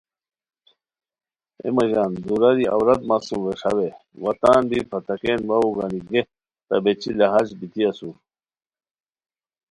اے مہ ژان دُوراری عورت مہ سُم ویݰاوے وا تان بی پھتا کین واوو گانی گئے تہ بیچی لہاز بیتی اسور